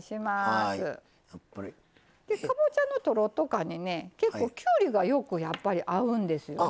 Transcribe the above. かぼちゃのとろっと感にね結構きゅうりがよくやっぱり合うんですよね。